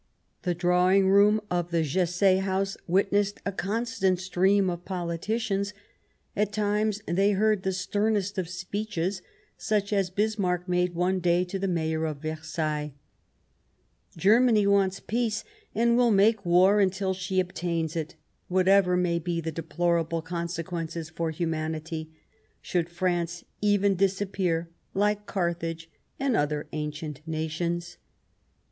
The drawing room of the Jesse house witnessed a constant stream of politicians ; at times they heard the sternest of speeches, such as Bismarck made one day to the Mayor of Versailles :" Germany wants peace, and will make war until she obtains it, whatsoever may be the deplorable consequences for humanity ; should France even disappear, like Carthage and other ancient nations."